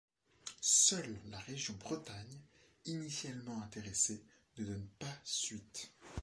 Seule la région Bretagne, initialement intéressée, ne donne pas suite.